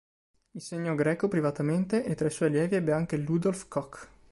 Insegnò greco privatamente e tra i suoi allievi ebbe anche Ludolf Cock.